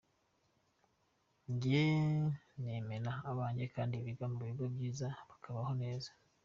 Njye nemera abanjye kandi biga mu bigo byiza bakabaho neza.